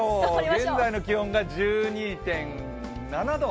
現在の気温が１２．７度。